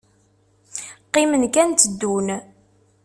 Qqimen kan tteddun.